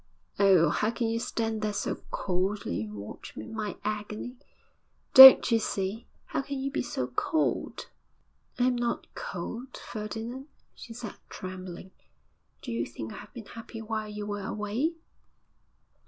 'Oh! how can you stand there so coldly and watch my agony? Don't you see? How can you be so cold?' 'I am not cold, Ferdinand,' she said, trembling. 'Do you think I have been happy while you were away?'